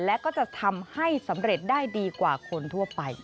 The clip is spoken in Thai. และก็จะทำให้สำเร็จได้ดีกว่าคนทั่วไป